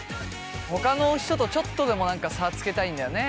ほかの人とちょっとでも差つけたいんだよね